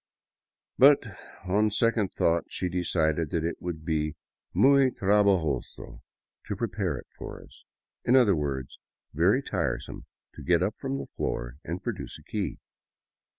But on second thoughts she decided that it would be '' muy trabajoso " to pre pare it for us — in other words, very tiresome to get up from the floor and produce a key.